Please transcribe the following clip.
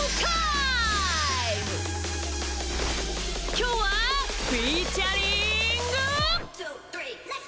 きょうはフィーチャリング！